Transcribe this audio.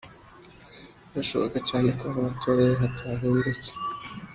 Birashoboka cyane ko aho watoreye hatahindutse.